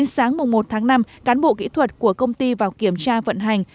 sáng một tháng năm cán bộ kỹ thuật của công ty vào kiểm tra vận hành